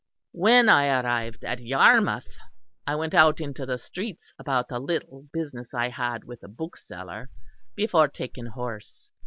When I arrived at Yarmouth I went out into the streets about a little business I had with a bookseller, before taking horse.